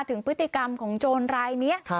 ถึงพฤติกรรมของโจรรายนี้